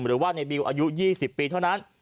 หรือว่าในบิวอายุ๒๐ปีเท่านั้น